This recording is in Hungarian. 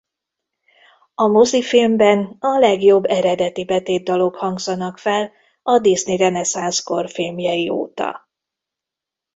A mozifilmben a legjobb eredeti betétdalok hangzanak fel a Disney-reneszánsz kor filmjei óta.